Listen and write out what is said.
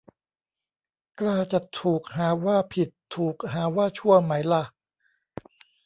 กล้าจะ ถูกหาว่า 'ผิด' ถูกหาว่า 'ชั่ว' ไหมล่ะ